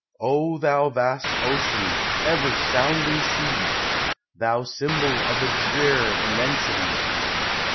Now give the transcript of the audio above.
O thou vast Ocean ! ever sounding Sea ! Thou symbol of a drear immensity